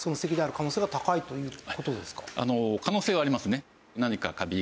可能性はありますね。